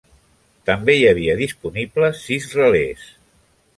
També hi havia disponibles sis relés.